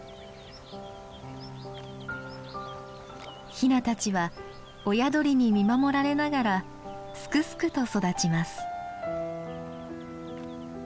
ひなたちは親鳥に見守られながらすくすくと育ちます。